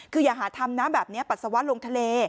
คืออย่าหาทำนะแบบนี้ปัสสาวะลงทะเล